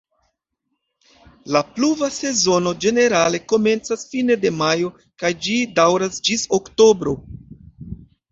La pluva sezono ĝenerale komencas fine de majo kaj ĝi daŭras ĝis oktobro.